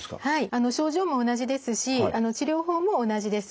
症状も同じですし治療法も同じです。